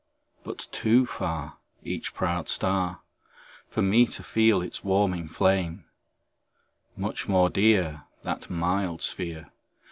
But too far Each proud star, For me to feel its warming flame; Much more dear That mild sphere.